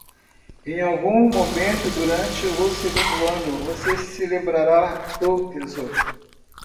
Em algum momento durante o segundo ano?, você se lembrará do tesouro.